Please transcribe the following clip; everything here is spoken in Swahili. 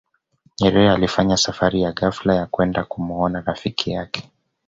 nyerere alifanya safari ya ghafla ya kwenda kumuona rafiki yake